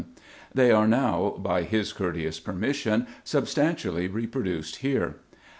They are now, by his courteous permission, substantially repro duced here.